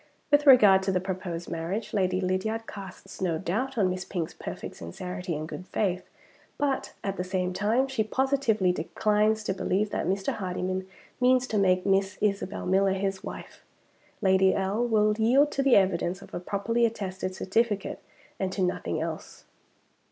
With regard to the proposed marriage, Lady Lydiard casts no doubt on Miss Pink's perfect sincerity and good faith; but, at the same time, she positively declines to believe that Mr. Hardyman means to make Miss Isabel Miller his wife. Lady L. will yield to the evidence of a properly attested certificate and to nothing else."